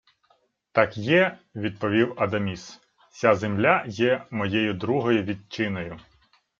— Так є, — відповів Адаміс. — Ся земля є моєю другою вітчиною.